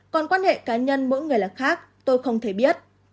còn quan hệ cá nhân mỗi người là khác tôi không thể biết